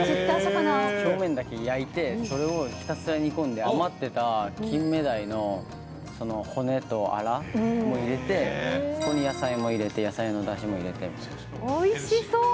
表面だけ焼いてそれをひたすら煮込んで、余ってた金目鯛の骨とあらも入れて、そこに野菜も入れて、野菜のおいしそう。